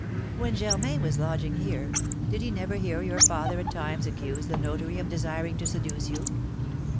"When Germain was lodging here, did he never hear your father at times accuse the notary of desiring to seduce you?"